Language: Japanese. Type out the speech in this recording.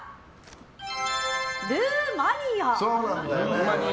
ルーマニア。